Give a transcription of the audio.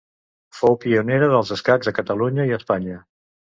Fou pionera dels escacs a Catalunya i a Espanya.